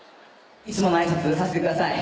いつもの挨拶させてください。